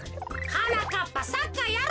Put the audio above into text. はなかっぱサッカーやろうぜ。